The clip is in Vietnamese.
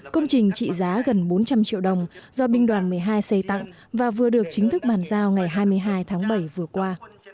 công trình trị giá gần bốn trăm linh triệu đồng do binh đoàn một mươi hai xây tặng và vừa được chính thức bàn giao ngày hai mươi hai tháng bảy vừa qua